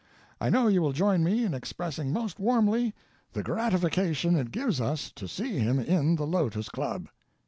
I know you will join me in expressing most warmly the gratification it gives us to see him in the Lotos Club."